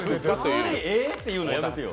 普通にえって言うのやめてよ。